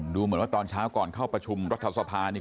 ดูเหมือนว่าตอนเช้าก่อนเข้าประชุมรัฐสภานี่